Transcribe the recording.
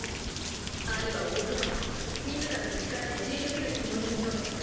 兄はオーク軍を自らの力で退けるつもりのようです。